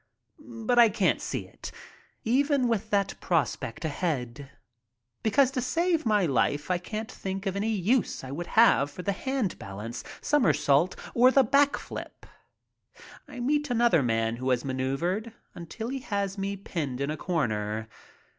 But I can't see it even with that prospect ahead, because to save my life I can't think of any use I would have for the hand balance, somersault, or the back flip. I meet another man who has maneuvered until he has me pinned in a comer.